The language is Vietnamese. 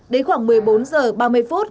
đến khoảng một mươi bốn h ba mươi phút